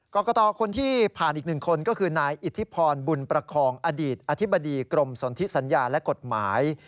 กรกตคนที่ผ่านอีกหนึ่งคนก็คือนายอิทธิพรบุญประคองอดีตอธิบดีกรมสนทิสัญญาและกฎหมาย